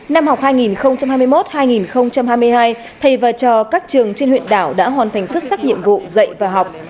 năm học hai nghìn hai mươi một hai nghìn hai mươi hai thầy và trò các trường trên huyện đảo đã hoàn thành xuất sắc nhiệm vụ dạy và học